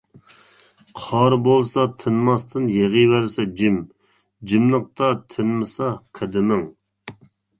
قار بولسا تىنماستىن يېغىۋەرسە جىم، جىملىقتا تىنمىسا قەدىمىڭ.